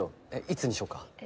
いつにしよっか？